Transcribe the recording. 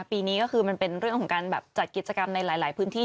ปีนี้ก็คือมันเป็นเรื่องของการแบบจัดกิจกรรมในหลายพื้นที่